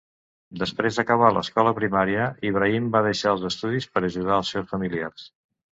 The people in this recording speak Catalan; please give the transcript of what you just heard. Després d'acabar l'escola primària, Ibrahim va deixar els estudis per ajudar els seus familiars.